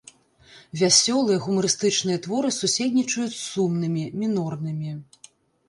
Вясёлыя, гумарыстычныя творы суседнічаюць з сумнымі, мінорнымі.